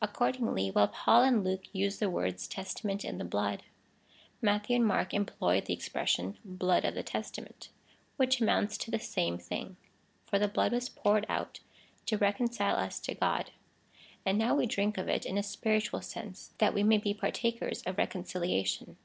Accordingly, while Paul and Luke use the words — testament in the blood, Matthew and Mark employ the expression — blood of the testament, which amounts to the same thing. For the blood was poured out to reconcile us to God, and now we drink of it in a spiritual sense, that we may be partakers of reconciliation.